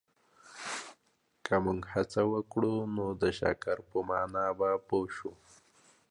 که موږ هڅه وکړو نو د شکر په مانا به پوه سو.